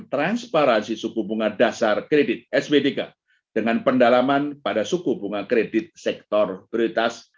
transparansi suku bunga dasar kredit sp tiga dengan pendalaman pada suku bunga kredit sektor prioritas